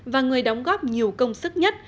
và người đóng góp nhiều công sức nhất